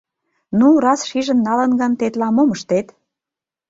Ну, раз шижын налын гын, тетла мом ыштет.